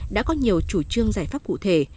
đã có nhiều chủ trương giải pháp cụ thể